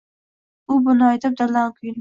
U buni aytib, dildan kuyundi